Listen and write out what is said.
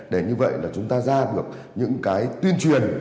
để như vậy là chúng ta ra được những cái tuyên truyền